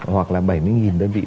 hoặc là bảy mươi nghìn đơn vị